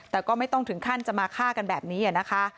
แต่ก็ไม่ต้องถึงขั้นจะมาฆ่ากันแบบนี้นะคะ